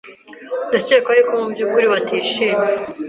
Ndakeka yuko mubyukuri batishimye.